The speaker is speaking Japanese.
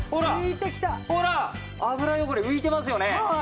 油汚れ浮いてますよね。